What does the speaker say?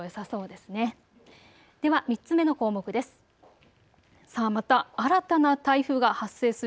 では、３つ目の項目です。